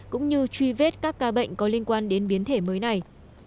cũng như truy vết các ca bệnh có liên quan đến biến thể mới này